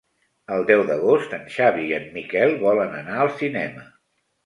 El deu d'agost en Xavi i en Miquel volen anar al cinema.